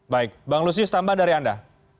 baik bang lusius tambah dari anda